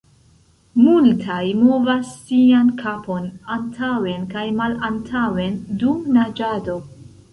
Multaj movas sian kapon antaŭen kaj malantaŭen dum naĝado.